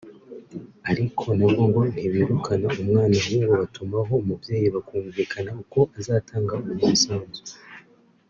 ariko nabwo ngo ntibirukana umwana ahubwo batumaho umubyeyi bakumvikana uko azatanga uwo musanzu